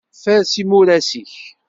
Faṛes imuras-ik.